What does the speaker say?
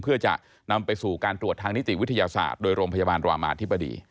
เพื่อจะนำไปสู่การตรวจทางนิติวิทยาศาสตร์โดยโรงพยาบาลรามาธิบดี